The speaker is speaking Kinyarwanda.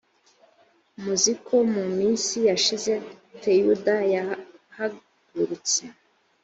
muzi ko mu minsi yashize teyuda yahagurutse